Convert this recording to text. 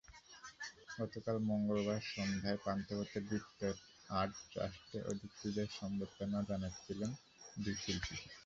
গতকাল মঙ্গলবার সন্ধ্যায় পান্থপথের বৃত্ত আর্ট ট্রাস্টে অতিথিদের অভ্যর্থনা জানাচ্ছিলেন দুই শিল্পী।